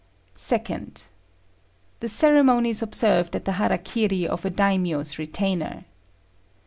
2nd. _The ceremonies observed at the "hara kiri" of a Daimio's retainer.